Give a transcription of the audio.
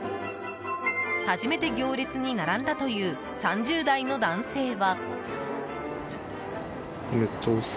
初めて行列に並んだという３０代の男性は。